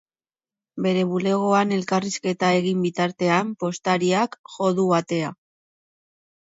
Bere bulegoan elkarrizketa egin bitartean, postariak jo du atea.